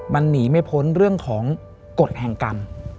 มันหนีไม่พ้นเรื่องของกฎแห่งกรรม